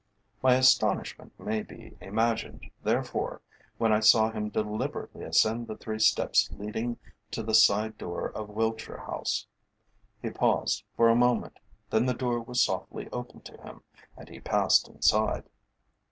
My astonishment may be imagined, therefore, when I saw him deliberately ascend the three steps leading to the side door of Wiltshire House. He paused for a moment, then the door was softly opened to him, and he passed inside.